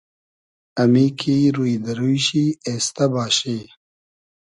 امی کی روی دۂ روی شی اېستۂ باشی